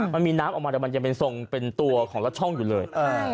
มันมีน้ำออกมาแต่มันยังเป็นทรงเป็นตัวของละช่องอยู่เลย